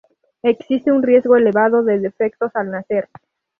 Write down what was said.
Existe un riesgo elevado de defectos al nacer.